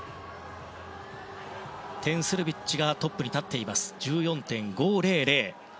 テン・スルビッチがトップに立っています。１４．５００。